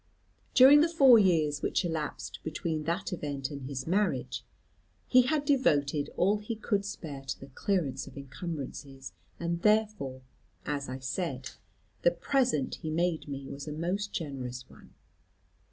During the four years which elapsed between that event and his marriage, he had devoted all he could spare to the clearance of encumbrances and therefore, as I said, the present he made me was a most generous one.